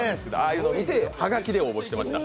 あれをはがきで応募していました。